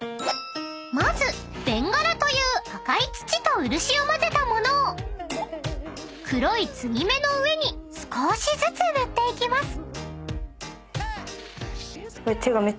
［まずべんがらという赤い土と漆を混ぜた物を黒い継ぎ目の上に少ーしずつ塗っていきます］